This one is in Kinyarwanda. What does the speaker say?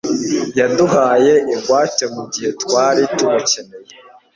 Yaduhaye ingwate mugihe twari tumukeneye